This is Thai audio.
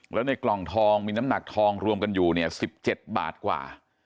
แล้วในกล่องทองมีน้ำหนักทองรวมกันอยู่เนี่ย๑๗บาทกว่า